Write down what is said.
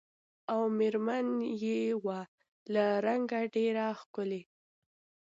او مېر من یې وه له رنګه ډېره ښکلې